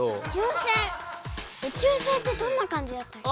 うちゅう船ってどんなかんじだったっけ？